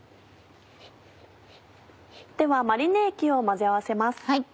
ではマリネ液を混ぜ合わせます。